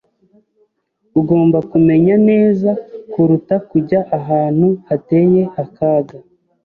Ugomba kumenya neza kuruta kujya ahantu hateye akaga.